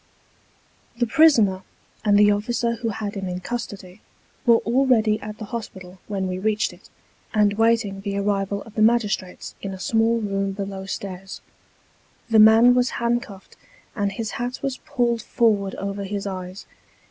The prisoner, and the officer who had him in custody, were already at the hospital when we reached it, and waiting the arrival of the magistrates in a small room below stairs. The man was handcuffed, and his hat was pulled forward over his eyes.